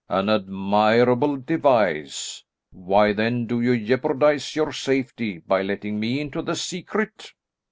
An admirable device. Why then do you jeopardise your safety by letting me into the secret?"